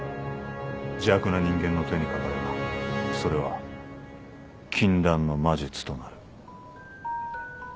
邪悪な人間の手にかかればそれは禁断の魔術となる。